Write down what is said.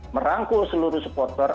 merangkul seluruh supporter